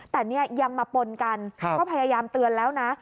แต่เนี่ยยังมาปนกันก็พยายามเตือนแล้วนะ